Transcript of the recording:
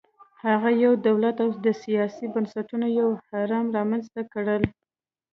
هغه یو دولت او د سیاسي بنسټونو یو هرم رامنځته کړل